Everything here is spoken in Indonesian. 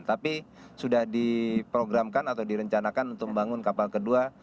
tapi sudah diprogramkan atau direncanakan untuk membangun kapal kedua